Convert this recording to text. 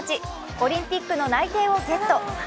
オリンピックの内定をゲット。